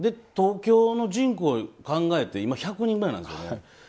東京の人口を考えて今、１００人くらいなんですよね。